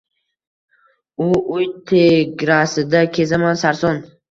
U uy tegrasida kezaman sarson.